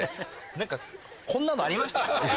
何かこんなのありましたかね？